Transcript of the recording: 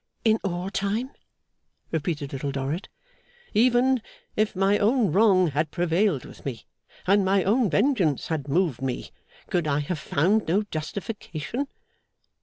'In all time?' repeated Little Dorrit. 'Even if my own wrong had prevailed with me, and my own vengeance had moved me, could I have found no justification?